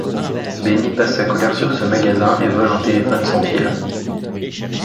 Benny passe sa colère sur ce magasin et vole un téléphone sans fil.